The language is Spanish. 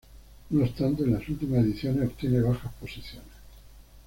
No obstante, en las últimas ediciones obtiene bajas posiciones.